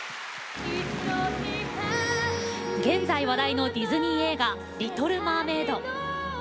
現在話題のディズニー映画「リトル・マーメイド」。